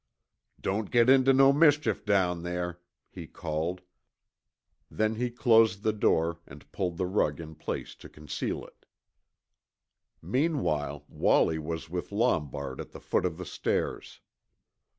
"Don't get intuh no mischief down there," he called; then he closed the door and pulled the rug in place to conceal it. Meanwhile Wallie was with Lombard at the foot of the stairs.